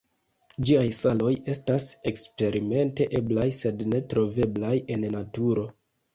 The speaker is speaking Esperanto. Ĝiaj saloj estas eksperimente eblaj, sed ne troveblaj en naturo.